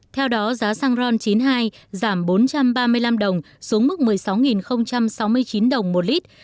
theo đó giá xăng ron chín mươi hai giảm bốn trăm ba mươi năm đồng xuống mức một mươi sáu sáu mươi chín đồng một lít